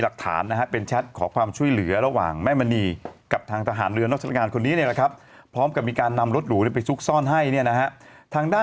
หลักฐานหาเป็นขอความช่วยเหลือระหว่างแม่มินีกับทาง